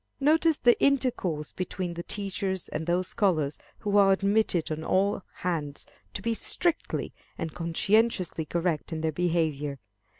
Notice the intercourse between the teachers and those scholars who are admitted on all hands to be strictly and conscientiously correct in their behavior.